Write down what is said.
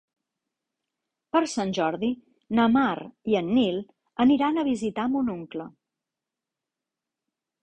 Per Sant Jordi na Mar i en Nil aniran a visitar mon oncle.